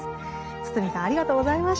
堤さんありがとうございました。